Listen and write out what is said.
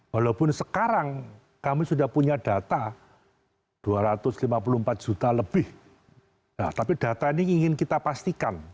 walaupun sekarang kami sudah punya data dua ratus lima puluh empat juta lebih tapi data ini ingin kita pastikan